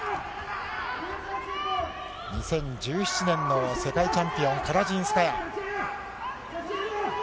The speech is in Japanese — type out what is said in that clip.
２０１７年の世界チャンピオン、カラジンスカヤ。